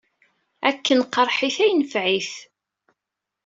Akken qerrḥit ay nefɛit.